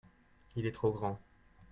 il est trop grand.